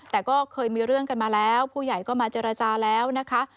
แต่ก็เคยมีเรื่องกันมาแล้วผู้ใหญ่ก็มาเจรจาแล้วนะคะ